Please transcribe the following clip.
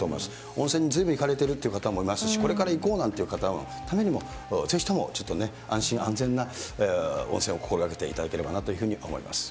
温泉にずいぶん行かれてるという方もいますし、これから行こうなんていう方のためにも、ぜひともちょっとね、安心安全な温泉を心がけていただければなというふうに思います。